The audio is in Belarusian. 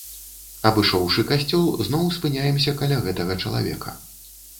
Абышоўшы касцёл, зноў спыняемся каля гэтага чалавека.